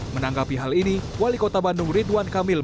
menanggapi hal ini wali kota bandung ridwan kamil